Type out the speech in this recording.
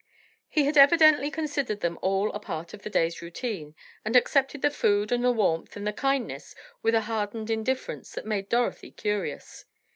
He had evidently considered them all a part of the day's routine, and accepted the food, and the warmth, and kindness with a hardened indifference that made Dorothy curious.